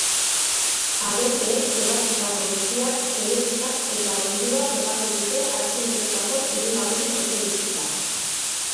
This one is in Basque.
Agenteek ebatsitako bitxiak, telebistak eta dirua topatu dute atxilotutako hiru lagunen etxebizitzan.